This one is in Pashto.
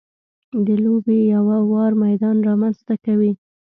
د لوبې یو ه وار میدان رامنځته کوي.